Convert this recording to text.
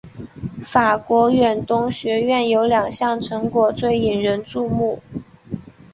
法国远东学院有两项成果最引人注目。